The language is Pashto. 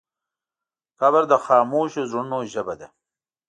قبر د خاموشو زړونو ژبه ده.